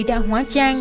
đã hóa trang